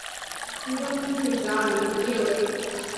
村中经济主要以农业为主。